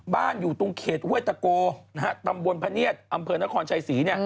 อยู่ตรงเขตห้วยตะโกตำบลพะเนียดอำเภอนครชัยศรี